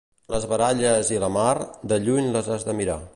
Les baralles i la mar, de lluny les has de mirar.